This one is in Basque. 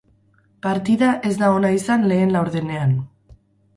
Partida ez da ona izan lehen laurdenean.